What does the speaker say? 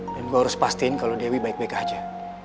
dan gue harus pastiin kalau dewi baik baik aja